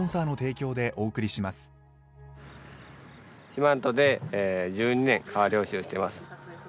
四万十で１２年川漁師をしています。